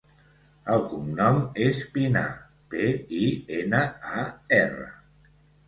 El cognom és Pinar: pe, i, ena, a, erra.